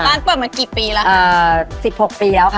ร้านเปิดมากี่ปีแล้วค่ะ